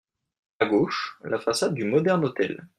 A gauche, la façade du Modern-Hôtel.